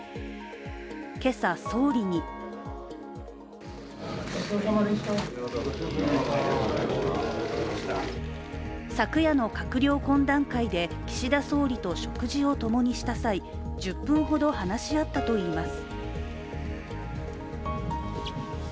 今朝、総理に昨夜の閣僚懇談会で岸田総理と食事をともにした際、１０分ほど話し合ったといいます。